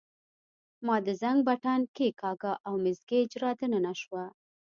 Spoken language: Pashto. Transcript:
ما د زنګ بټن کښېکاږه او مس ګېج را دننه شوه.